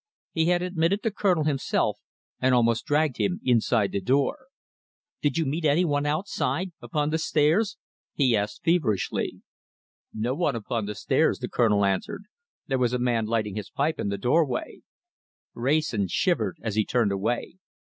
He had admitted the Colonel himself, and almost dragged him inside the door. "Did you meet any one outside upon the stairs?" he asked feverishly. "No one upon the stairs," the Colonel answered. "There was a man lighting his pipe in the doorway." Wrayson shivered as he turned away.